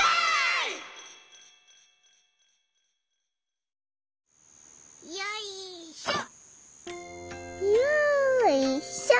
いよいしょ！